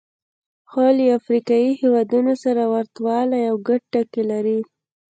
خو له افریقایي هېوادونو سره ورته والی او ګډ ټکي لري.